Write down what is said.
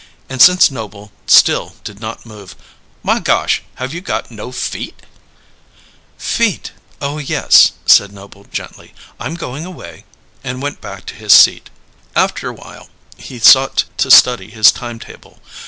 And since Noble still did not move: "My gosh, haven't you got no feet?" "Feet? Oh, yes," said Noble gently. "I'm going away." And went back to his seat. Afterwhile, he sought to study his time table.